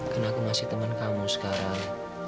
karena aku masih temen kamu sekarang